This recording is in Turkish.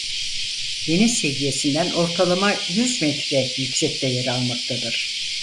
Deniz seviyesinden ortalama yüz metre yüksekte yer almaktadır.